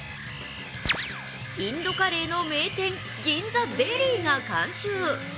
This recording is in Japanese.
インドカレーの名店、銀座デリーが監修。